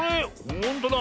ほんとだ。